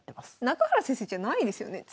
中原先生じゃないですよね。